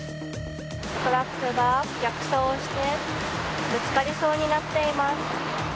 トラックが逆走をしてぶつかりそうになっています。